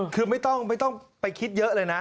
คือไม่ต้องไปคิดเยอะเลยนะ